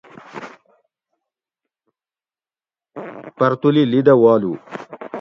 پرتولی لی دہ والو